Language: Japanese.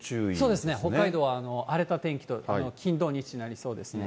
そうですね、北海道は荒れた天気と、金、土、日、なりそうですね。